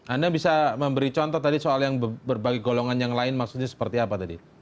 anda bisa memberi contoh tadi soal yang berbagai golongan yang lain maksudnya seperti apa tadi